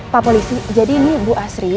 pak polisi jadi ini bu asri